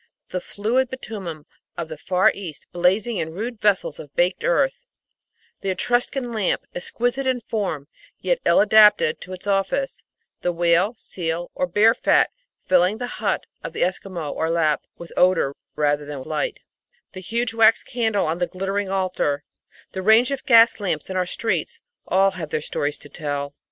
The fluid bitumen of the Far East, blazing in rude vessels of baked earth ; the Etruscan lamp, exquisite in form, yet ill adapted to its office ; the whale, seal, or bear fat, filling the hut of the Esquimau or Lapp with odour rather than light; the huge wax candle on the glittering altar; the range of gas lamps in our streets all have their stories to tell.